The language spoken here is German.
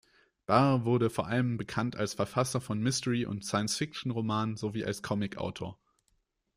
Barr wurde vor allem bekannt als Verfasser von Mystery- und Science-Fiction-Romanen sowie als Comicautor.